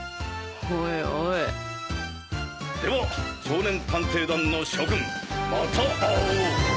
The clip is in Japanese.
オイオイでは少年探偵団の諸君また会おう！